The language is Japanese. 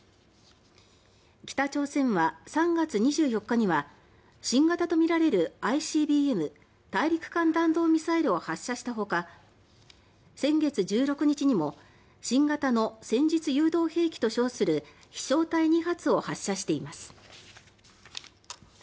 北朝鮮は３月２４日には新型とみられるＩＣＢＭ・大陸間弾道ミサイルを発射したほか先月１６日にも新型の戦術誘導兵器と称する飛翔体２発を発射しています。